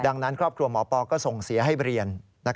ดังนั้นครอบครัวหมอปอก็ส่งเสียให้เรียน